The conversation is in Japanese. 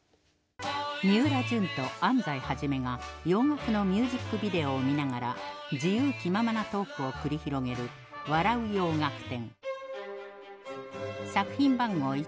みうらじゅんと安齋肇が洋楽のミュージックビデオを見ながら自由気ままなトークを繰り広げる「笑う洋楽展」